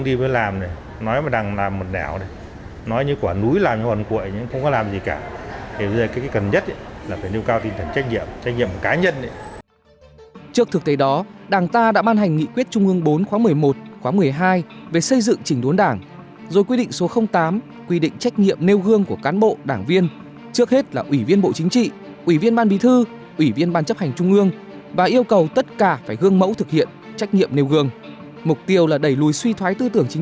để nói mà đang làm một đẻo nói như quả núi làm hoàn quậy nhưng không có làm gì cả để dây cái cần nhất là phải nêu cao tinh thần trách nhiệm trách nhiệm cá nhân trước thực tế đó đảng ta đã ban hành nghị quyết trung ương bốn khóa một mươi một khóa một mươi hai về xây dựng chỉnh đốn đảng rồi quy định số tám quy định trách nhiệm nêu gương của cán bộ đảng viên trước hết là ủy viên bộ chính trị ủy viên ban bì thư ủy viên ban chấp hành trung ương và yêu cầu tất cả phải gương mẫu thực hiện trách nhiệm nêu gương mục tiêu là đẩy lùi suy thoái tư tưởng của các đảng viên